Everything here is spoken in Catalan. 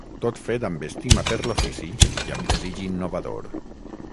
Tot fet amb estima per l’ofici i amb desig innovador.